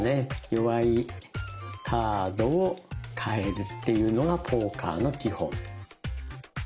弱いカードを換えるっていうのがポーカーの基本。